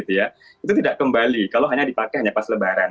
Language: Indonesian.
itu tidak kembali kalau hanya dipakai hanya pas lebaran